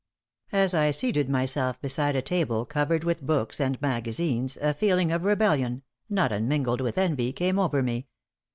As I seated myself beside a table covered with books and magazines, a feeling of rebellion, not unmingled with envy, came over me.